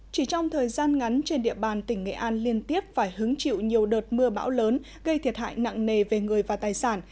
chỉ trong thời gian ngắn trên địa bàn tỉnh nghệ an liên tiếp phải hứng chịu nhiều đợt mưa bão lớn gây thiệt hại nặng nề về người và tài sản